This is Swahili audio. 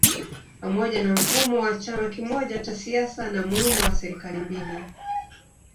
Pamoja na mfumo wa chama kimoja cha siasa na muundo wa serikali mbili